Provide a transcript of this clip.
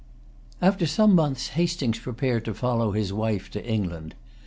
After some months Hastings prepared to follow his wife to England.